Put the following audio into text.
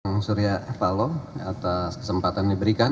bang surya evalo atas kesempatan diberikan